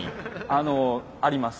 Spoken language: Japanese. あのあります。